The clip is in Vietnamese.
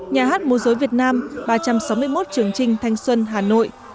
nhà hát mô dối việt nam ba trăm sáu mươi một trường trinh thanh xuân hà nội